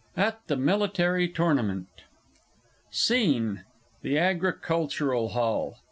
_ At the Military Tournament. SCENE _The Agricultural Hall.